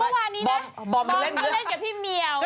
เมื่อวานี้เนี่ยบอมมันเล่นกับพี่เมียวนะ